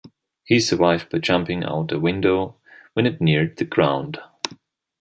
He survived by jumping out a window when it neared the ground.